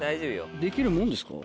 できるもんですか？